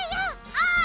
ああ！